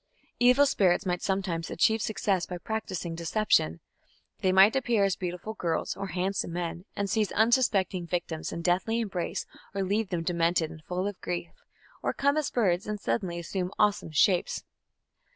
Evil spirits might sometimes achieve success by practising deception. They might appear as beautiful girls or handsome men and seize unsuspecting victims in deathly embrace or leave them demented and full of grief, or come as birds and suddenly assume awesome shapes.